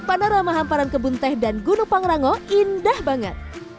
pandara mahamparan kebun teh dan gunung pangerango indah banget